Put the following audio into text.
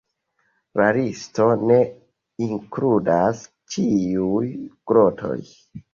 La listo ne inkludas ĉiuj grotoj.